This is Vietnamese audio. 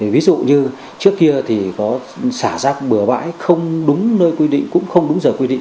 ví dụ như trước kia thì có xả rác bừa bãi không đúng nơi quy định cũng không đúng giờ quy định